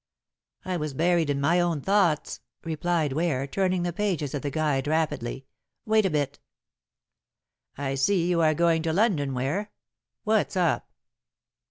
"I was buried in my own thoughts," replied Ware, turning the pages of the guide rapidly, "wait a bit." "I see you are going to London, Ware. What's up?"